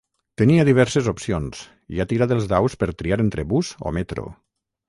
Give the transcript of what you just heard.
Tenia diverses opcions i ha tirat els daus per triar entre bus o metro.